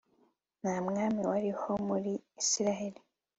nta mwami wariho muri israheli